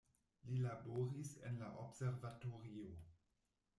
Li laboris en la observatorio.